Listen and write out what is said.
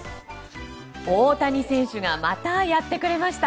大谷選手がまたやってくれました！